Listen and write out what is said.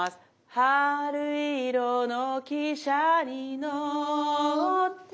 「春色の汽車に乗って海に」